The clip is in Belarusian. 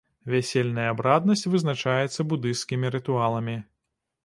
Вясельная абраднасць вызначаецца будысцкімі рытуаламі.